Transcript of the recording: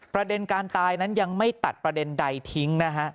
ประเด็นการตายนั้นยังไม่ตัดประเด็นใดทิ้งนะฮะ